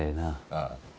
ああ。